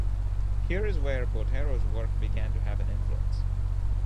Here is where Botero's work began to have an influence.